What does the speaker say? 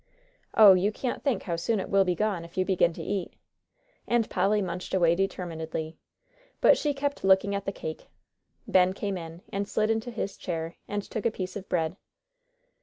"Oh, you can't think how soon it will be gone, if you begin to eat." And Polly munched away determinedly, but she kept looking at the cake. Ben came in, and slid into his chair, and took a piece of bread.